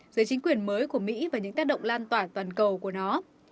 giới chính quyền mới của mỹ và những tác động lan tỏa toàn cầu của nó